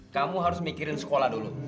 kamu harus mikirin sekolah dulu